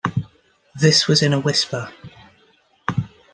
This was in a whisper.